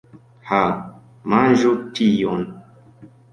Ha, manĝu tion!